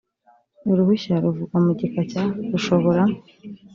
uruhushya ruvuga mu gika cya rushobora